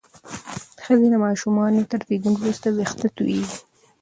ښځې د ماشومانو تر زیږون وروسته وېښتې تویېږي.